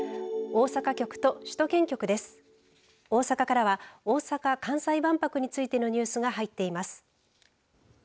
大阪からは大阪・関西万博についてのニュースが入っています。